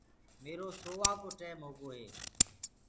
ميرو سووآ ڪو ٽيم هوگو هي